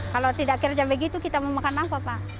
kalau tidak kerja begitu kita mau makan apa pak